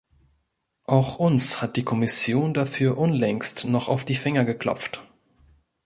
Auch uns hat die Kommission dafür unlängst noch auf die Finger geklopft.